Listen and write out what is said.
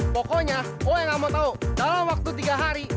pokoknya oe nggak mau tahu dalam waktu tiga hari